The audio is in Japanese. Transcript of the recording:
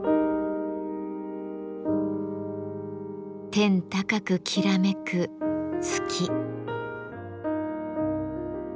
天高くきらめく月。